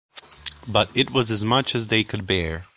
But it was as much as they could bear.